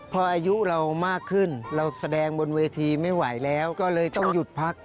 พออายุเรามากขึ้นเราแสดงบนเวทีไม่ไหวแล้วก็เลยต้องหยุดพัก